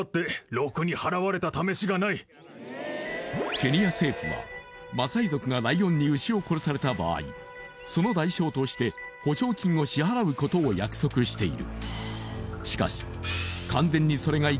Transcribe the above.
ケニア政府はマサイ族がライオンに牛を殺された場合その代償として補償金を支払うことを約束している